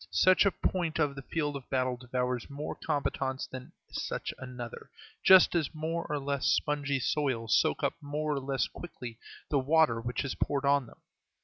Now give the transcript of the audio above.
Such a point of the field of battle devours more combatants than such another, just as more or less spongy soils soak up more or less quickly the water which is poured on them.